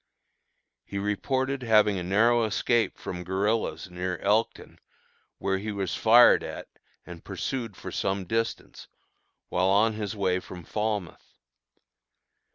He reported having a narrow escape from guerillas near Elkton, where he was fired at and pursued for some distance, while on his way from Falmouth.